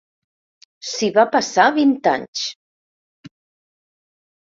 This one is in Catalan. S'hi va passar vint anys.